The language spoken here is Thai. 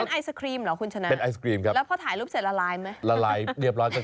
แล้วเป็นไอศครีมเหรอคุณชนะ